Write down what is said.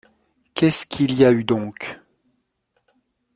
Qu’est-ce qu’il y a eu donc ?